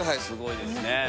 すごいですね。